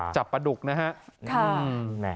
จับปลาดุกนะฮะ